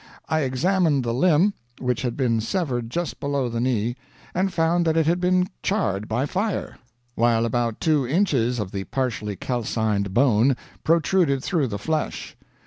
I examined the limb, which had been severed just below the knee, and found that it had been charred by fire, while about two inches of the partially calcined bone protruded through the flesh.